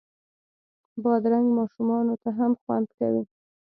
بادرنګ ماشومانو ته هم خوند کوي.